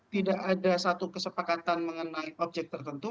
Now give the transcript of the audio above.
tidak ada satu kesepakatan mengenai objek tertentu